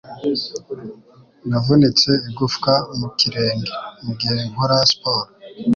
Navunitse igufwa mu kirenge mugihe nkora siporo.